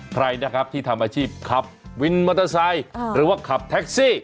ใครนะครับที่ทำอาชีพขับวินมอเตอร์ไซค์หรือว่าขับแท็กซี่